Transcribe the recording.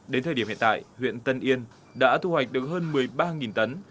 đến thời điểm hiện tại huyện tân yên đã thu hoạch được hơn một mươi ba tấn